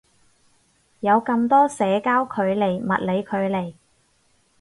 有咁多社交距離物理距離